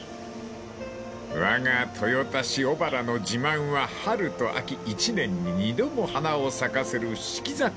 ［わが豊田市小原の自慢は春と秋一年に二度も花を咲かせる］